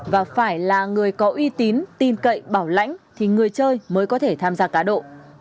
và phải là người có uy tín tin cậy bảo lãnh thì người chơi mới có thể tham gia cá độ